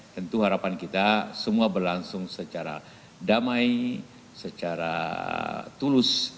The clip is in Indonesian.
tentu harapan kita semua berlangsung secara damai secara tulus